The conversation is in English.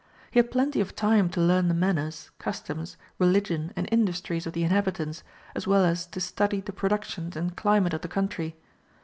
He had plenty of time to learn the manners, customs, religion, and industries of the inhabitants, as well as to study the productions and climate of the country.